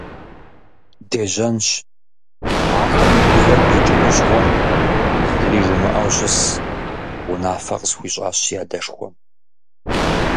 Дежьэнщ, ахэр мыгувэу къикӀынущ гъуэм, зыри жумыӀэу щыс, - унафэ къысхуищӀащ си адэшхуэм.